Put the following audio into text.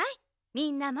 みんなも！